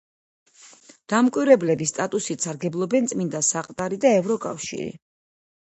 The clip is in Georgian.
დამკვირვებლების სტატუსით სარგებლობენ წმინდა საყდარი და ევროკავშირი.